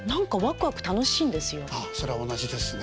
ああそれは同じですね。